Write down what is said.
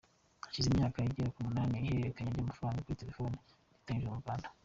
Hashize imyaka igera ku munani ihererekanya ry’amafaranga kuri telefone ritangijwe mu Rwanda.